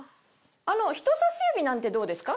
人さし指なんてどうですか？